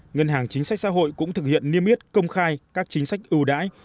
ngân hàng chính sách xã hội cũng thực hiện niêm yết công khai các chính sách ưu đãi